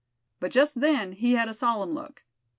But just then he had a solemn look.